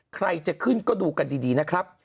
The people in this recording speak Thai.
ใครจะขึ้นก็ดูกันดีนะครับ